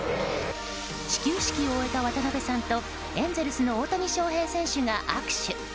始球式を終えた渡辺さんとエンゼルスの大谷翔平選手が握手。